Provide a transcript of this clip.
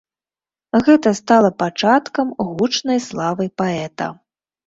Гэта стала пачаткам гучнай славы паэта.